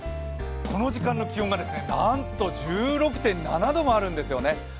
この時間の気温が、なんと１６．７度もあるんですよね。